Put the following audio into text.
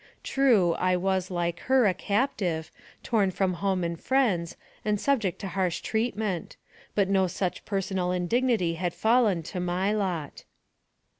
True, I was, like her, a cap tive, torn from home and friends, and subject to harsh treatment, but no such personal indignity had fallen to my lot.